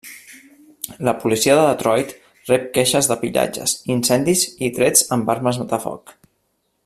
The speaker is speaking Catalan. La policia de Detroit rep queixes de pillatges, incendis i trets amb armes de foc.